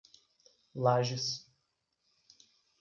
Lages